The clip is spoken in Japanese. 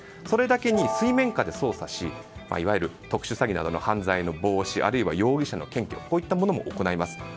それだけに水面下で捜査しいわゆる特殊詐欺などの犯罪の防止あるいは容疑者の検挙も行います。